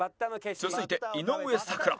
続いて井上咲楽